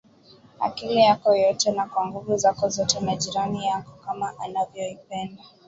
akili yako yote na kwa nguvu zako zote na jirani yako kama unavyojipenda